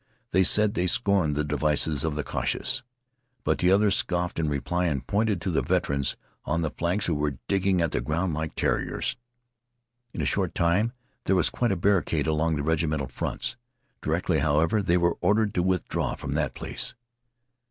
They said they scorned the devices of the cautious. But the others scoffed in reply, and pointed to the veterans on the flanks who were digging at the ground like terriers. In a short time there was quite a barricade along the regimental fronts. Directly, however, they were ordered to withdraw from that place.